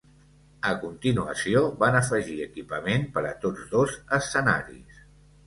A continuació, van afegir equipament per a tots dos escenaris.